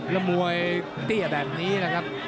แล้วมวยเตี้ยแบบนี้นะครับ